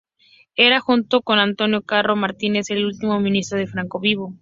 Es, junto con Antonio Carro Martínez, el último ministro de Franco vivo.